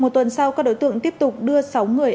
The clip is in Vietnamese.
một tuần sau các đối tượng tiếp tục đưa sáu người